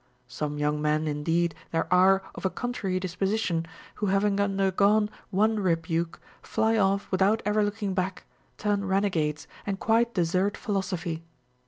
Some young men indeed there are of a contrary disposition, who having undergone one rebuke fly off without ever looking back, turn renegades, and quite desert philosophy.